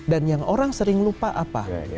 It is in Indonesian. dan yang orang sering lupa apa